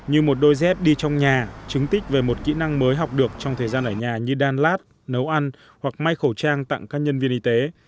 như một đôi dép đi trong nhà chứng tích về một kỹ năng mới học được trong thời gian ở nhà như đan lát nấu ăn hoặc may khẩu trang tặng các nhân viên y tế